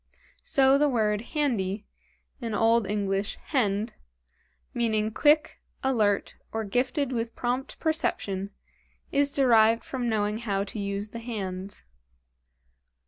So the word handy, in old English hend, meaning quick, alert, or gifted with prompt perception, is derived from knowing how to use the hands.